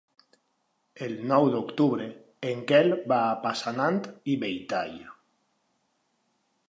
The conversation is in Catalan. El nou d'octubre en Quel va a Passanant i Belltall.